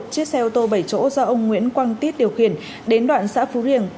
chiếc xe ô tô bảy chỗ do ông nguyễn quang tiết điều khiển đến đoạn xã phú riềng